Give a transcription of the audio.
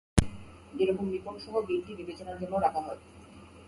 এরকম রিপোর্টসহ বিলটি বিবেচনার জন্য রাখা হয়।